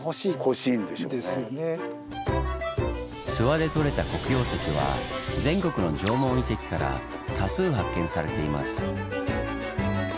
諏訪でとれた黒曜石は全国の縄文遺跡から多数発見されています。